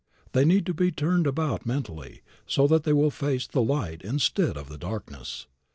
They need to be turned about mentally, so that they will face the light instead of the darkness.